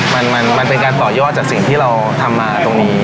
มันมันเป็นการต่อยอดจากสิ่งที่เราทำมาตรงนี้